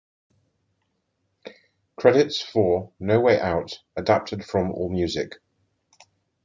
Credits for "No Way Out" adapted from Allmusic.